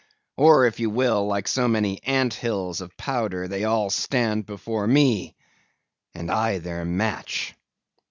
Or, if you will, like so many ant hills of powder, they all stand before me; and I their match.